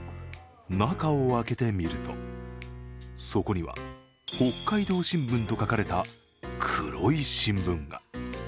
中を開けてみると、そこには北海道新聞と書かれた黒い新聞が。